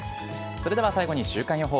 それでは最後に週間予報。